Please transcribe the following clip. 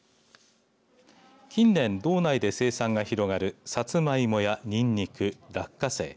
近年、道内で生産が広がるさつまいもや、にんにく落花生。